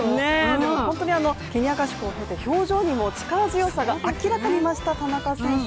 でも本当にケニア合宿を経て表情にも力強さが明らかに増した田中選手。